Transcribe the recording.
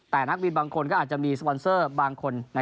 แต่นักบินบางคนก็อาจจะมีสปอนเซอร์บางคน